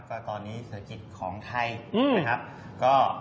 ก็ตอนนี้ศักดิ์ของไทยนะครับ